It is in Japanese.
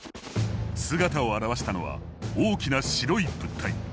姿を現したのは大きな白い物体。